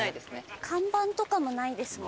看板とかもないですもんね。